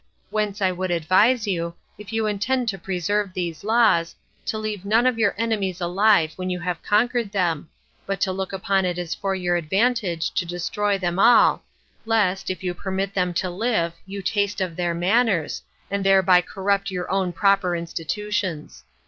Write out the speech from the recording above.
Whence I would advise you, if you intend to preserve these laws, to leave none of your enemies alive when you have conquered them, but to look upon it as for your advantage to destroy them all, lest, if you permit them to live, you taste of their manners, and thereby corrupt your own proper institutions.